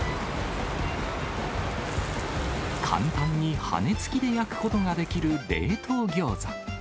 簡単に羽根付きで焼くことができる冷凍ギョーザ。